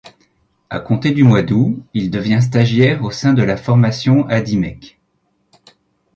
À compter du mois d'août, il devient stagiaire au sein de la formation Hadimec.